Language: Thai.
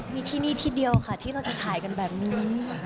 มีที่นี่ที่เดียวค่ะที่เราจะถ่ายกันแบบนี้